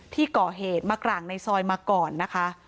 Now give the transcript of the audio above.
ที่ก่อเหตุมากร่างในซอยมาก่อนนะคะ